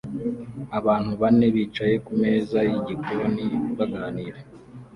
Abantu bane bicaye kumeza yigikoni baganira